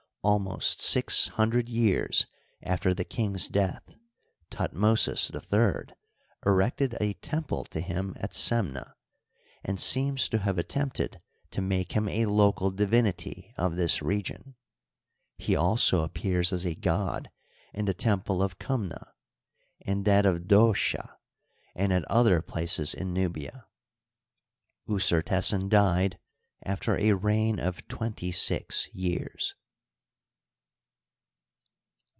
Almost six hundred years after the king's death, Thutmosis III erected a temple to him at Semneh, and seems to have attempted to make him a local divinity of this region. He also appears as a god in the temple of Kumneh, in that of Dosheh, and at other places in Nubia. Usertesen died after a reig^ of twenty six years.